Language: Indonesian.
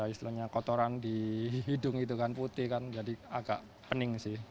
istilahnya kotoran di hidung itu kan putih kan jadi agak pening sih